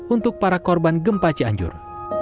untuk para korban gempa cianjur